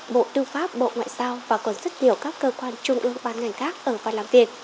bộ tư pháp bộ ngoại giao và còn rất nhiều các cơ quan trung ương ban ngành khác ở và làm việc